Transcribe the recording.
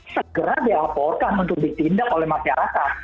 segera dilaporkan untuk ditindak oleh masyarakat